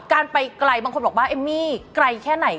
การไปไกลบางคนบอกว่าเอมมี่ไกลแค่ไหน